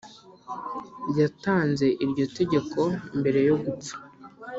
yaatanze iryo tegeko mbere yo gupfa